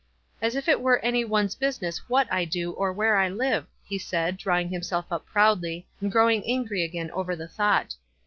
"As if it were any one's business what I do, or where I live," he said, drawing himself up proudly, and growing angry again over the thought.